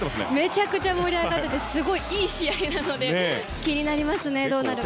めちゃくちゃ盛り上がっていてすごいいい試合なので気になりますね、どうなるか。